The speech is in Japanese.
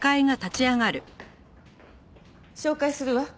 紹介するわ。